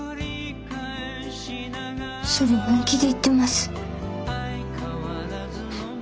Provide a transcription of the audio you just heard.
それ本気で言ってます？